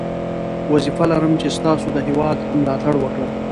وظیفه لرم چې ستاسو د هیواد ملاتړ وکړم.